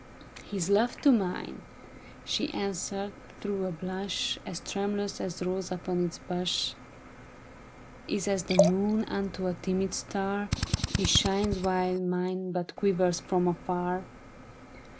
"' His love to mine,' she answered through a blush As tremulous as rose upon its bush, ' Is as the moon unto a timid star ; His shines, while mine but quivers from afar.